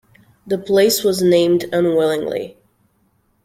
The place was named unwillingly.